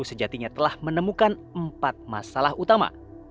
sejatinya telah menemukan empat masalah utama